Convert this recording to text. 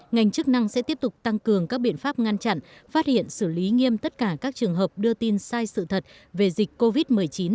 ngành chức năng sẽ tiếp tục tăng cường các biện pháp ngăn chặn phát hiện xử lý nghiêm tất cả các trường hợp đưa tin sai sự thật về dịch covid một mươi chín